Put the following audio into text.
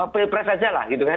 pipres aja lah gitu kan